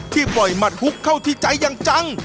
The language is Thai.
ปล่อยหมัดฮุกเข้าที่ใจอย่างจัง